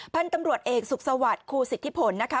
พันธุ์ตำรวจเอกสุขสวัสดิ์ครูสิทธิผลนะคะ